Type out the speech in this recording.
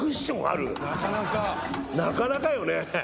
なかなかよね。